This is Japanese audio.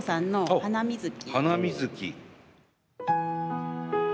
「ハナミズキ」。